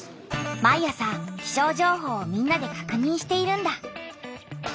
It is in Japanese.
毎朝気象情報をみんなでかくにんしているんだ。